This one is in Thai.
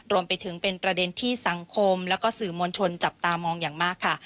รวมไปถึงเป็นประเด็นที่สังคมแล้วก็สื่อมวลชนจับตามองอย่างมากค่ะ